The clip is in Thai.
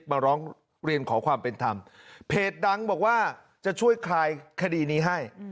มาร้องเรียนขอความเป็นธรรมเพจดังบอกว่าจะช่วยคลายคดีนี้ให้